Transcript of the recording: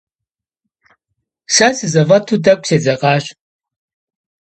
Сэ сызэфӏэту тӏэкӏу седзэкъащ.